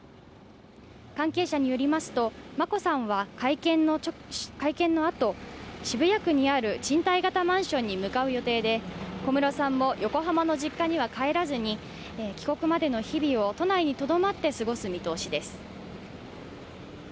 関係者によりますと、眞子さんは会見のあと、渋谷区にある賃貸型マンションに向かう予定で、小室さんも横浜の実家には帰らずに帰国までの日々を都内にとどまって過ごす見通しです。